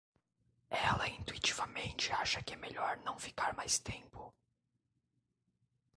Ela intuitivamente acha que é melhor não ficar mais tempo.